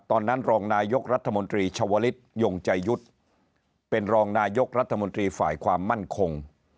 รองนายกรัฐมนตรีชวลิศยงใจยุทธ์เป็นรองนายกรัฐมนตรีฝ่ายความมั่นคง